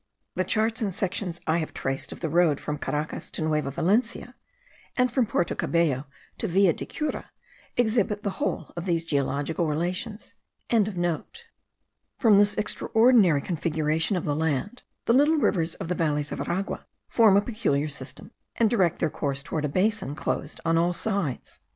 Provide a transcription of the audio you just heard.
The charts and sections I have traced of the road from Caracas to Nueva Valencia, and from Porto Cabello to Villa de Cura, exhibit the whole of these geological relations.) From this extraordinary configuration of the land, the little rivers of the valleys of Aragua form a peculiar system, and direct their course towards a basin closed on all sides.